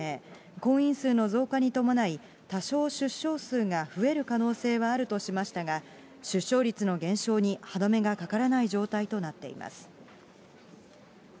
婚姻数の増加に伴い、多少、出生数が増える可能性はあるとしましたが、出生率の減少に歯止めがかからない状態となっています。